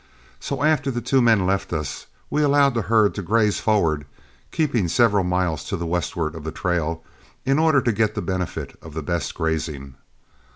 So after the two men left us, we allowed the herd to graze forward, keeping several miles to the westward of the trail in order to get the benefit of the best grazing.